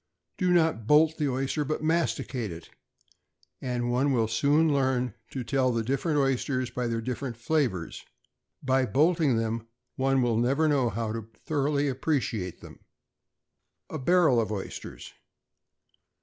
Do not bolt the oyster, but masticate it; and one will soon learn to tell the different oysters by their different flavors. By bolting them, one will never know how to thoroughly appreciate them. =A Barrel of Oysters.